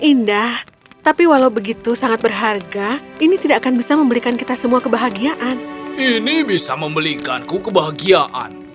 ini bisa memberikanku kebahagiaan